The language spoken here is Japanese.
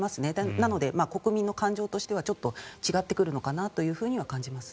なので、国民の感情としてはちょっと違ってくるのかなとは感じます。